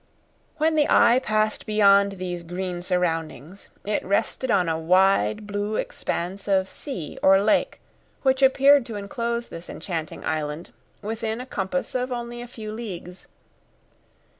When the eye passed beyond these green surroundings it rested on a wide, blue expanse of sea or lake, which appeared to enclose this enchanting island, within a compass of only a few leagues.